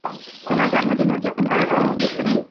তোমার জন্মদিন উদযাপন করার কোন উদ্দেশ্য নেই।